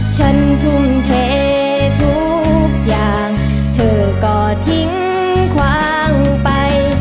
ฉันทุ่มเททุกอย่างเธอก็ทิ้งควางไป